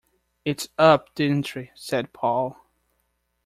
“It’s up the entry,” said Paul.